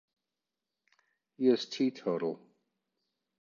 He is teetotal.